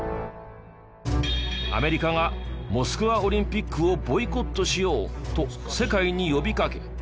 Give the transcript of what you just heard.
アメリカが「モスクワオリンピックをボイコットしよう！」と世界に呼びかけ